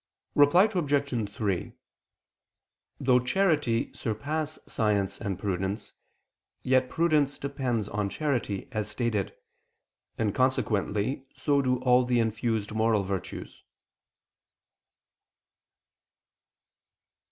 Reply Obj. 3: Though charity surpasses science and prudence, yet prudence depends on charity, as stated: and consequently so do all the infused moral virtues.